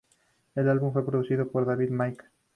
El álbum fue producido por David Mackay.